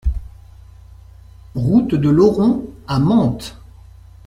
Route de l'Oron à Manthes